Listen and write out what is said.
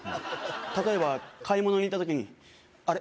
例えば買い物に行った時にあれ？